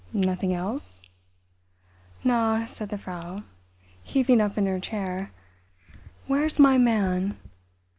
"Nothing else?" "Na," said the Frau, heaving up in her chair. "Where's my man?"